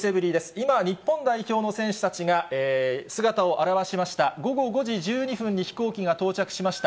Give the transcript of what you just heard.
今、日本代表の選手たちが、姿を現しました。